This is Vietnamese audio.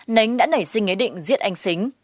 nánh đã nảy sinh ý định giết anh xính